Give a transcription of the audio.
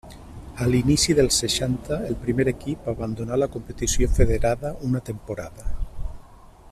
A l'inici dels seixanta el primer equip abandonà la competició federada una temporada.